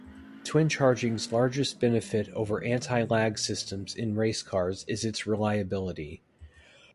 Twincharging's largest benefit over anti-lag systems in race cars is its reliability.